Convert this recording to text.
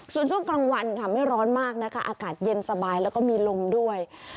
ส่วนช่วงกลางวันค่ะไม่ร้อนมากนะคะอากาศเย็นสบายแล้วก็มีลมด้วย